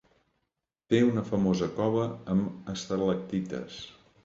Té una famosa cova amb estalactites.